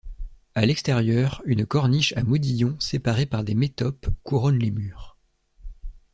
À l'extérieur, une corniche à modillons séparés par des métopes couronne les murs.